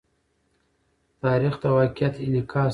تاریخ د واقعیت انعکاس دی.